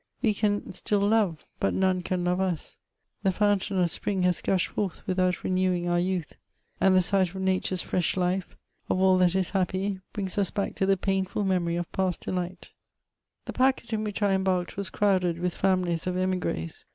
We can still love, but none can love us. The fountain of spring has gushed forth without renewing our youth, and the sight of nature's fredi life, of all that is h^py, beings us bach to the painful memory oJF past dehght. The packet in wnidi I embarked was crowded irith families of emigres.